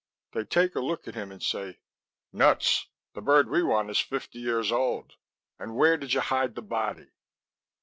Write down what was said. They'd take a look at him and say, "nuts, the bird we want is fifty years old, and where did you hide the body?"